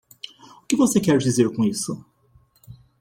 O que você quer dizer com isso?